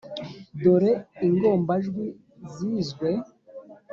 dore ingombajwi zizwe.